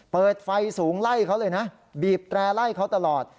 เปิดไฟสูงไล่เขาเลยนะบีบแตร่ไล่เขาตลอด